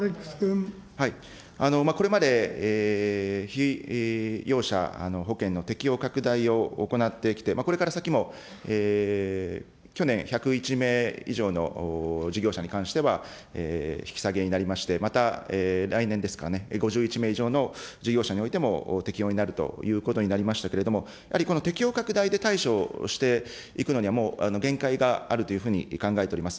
これまで、保険の適用拡大を行ってきて、これから先も、去年１０１名以上の事業者に関しては、引き下げになりまして、また来年ですかね、５１名以上の事業者においても、適用になるということになりましたけれども、やはりこの適用拡大で対処していくのには限界があるというふうに考えております。